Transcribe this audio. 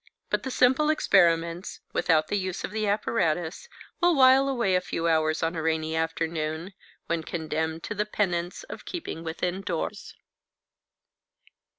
But the simple experiments, without the use of the apparatus, will while away a few hours on a rainy afternoon, when condemned to the penance of keeping within doors.